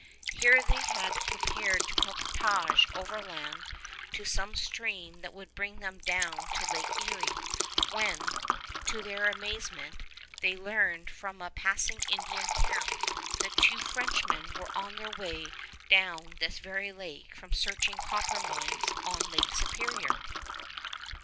Here they had prepared to portage overland to some stream that would bring them down to Lake Erie, when, to their amazement, they learned from a passing Indian camp that two Frenchmen were on their way down this very lake from searching copper mines on Lake Superior.